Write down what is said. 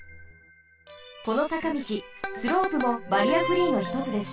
このさかみちスロープもバリアフリーのひとつです。